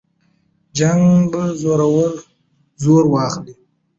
جنګ به زور واخلي.